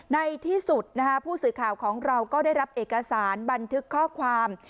ในที่สุดผู้สื่อข่าวของเราก็ได้รับเอกสารบันทึกข้อความ